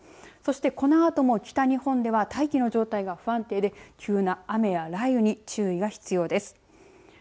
このあとも北日本では大気の状態が不安定で急な雨や雷雨に注意が必要です。